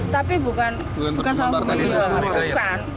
tapi bukan sama bu megawati